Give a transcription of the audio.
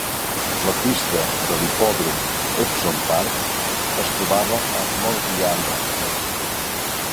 La pista de l'hipòdrom Epsom Park es trobava a Mordialloc.